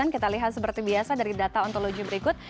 kita lihat seperti biasa dari data ontologi berikut